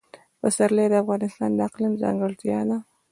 پسرلی د افغانستان د اقلیم ځانګړتیا ده.